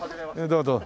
どうぞ。